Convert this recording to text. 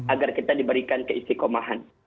agar kita diberikan keistikomahan